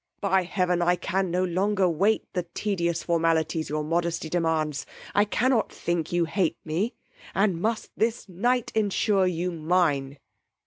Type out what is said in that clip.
By heaven, I can no longer wait the tedious formalities your modesty demands. I cannot think you hate me, and must this night ensure you mine.